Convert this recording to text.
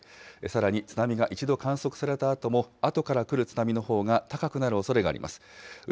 さらに津波が一度観測されたあとも、あとから来る津波のほうが高くなるおそれがあります。